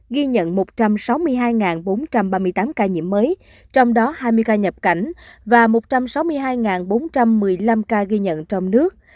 ghi nhận một trăm sáu mươi hai bốn trăm ba mươi tám ca nhiễm mới trong đó hai mươi ca nhập cảnh và một trăm sáu mươi hai bốn trăm một mươi năm ca ghi nhận trong nước